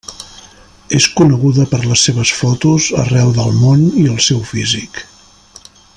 És coneguda per les seves fotos arreu del món i el seu físic.